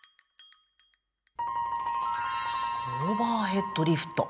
オーバーヘッド・リフト。